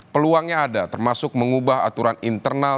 peluangnya ada termasuk mengubah aturan internal